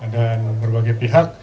dan berbagai pihak